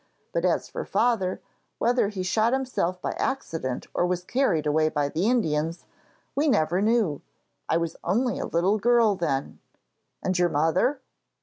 But as for father, whether he shot himself by accident or was carried away by the Indians, we never knew. I was only a little girl then.' 'And your mother?'